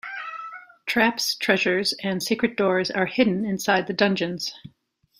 Traps, treasures and secret doors are hidden inside the dungeons.